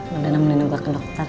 biar dana melindungi gue ke dokter